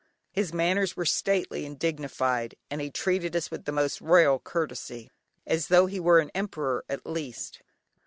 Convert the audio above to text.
His manners were stately and dignified, and he treated us with the most royal courtesy, as though he were an emperor at least.